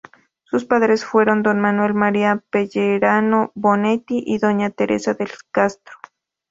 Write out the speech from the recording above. Sus padres fueron Don Manuel María Pellerano Bonetti y Doña Teresa de Castro.